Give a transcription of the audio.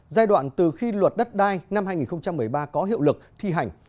giai đoạn từ khi luật đất đai năm hai nghìn một mươi ba có hiệu lực thi hành